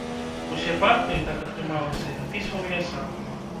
Усе партыі, так атрымалася, запісваў я сам.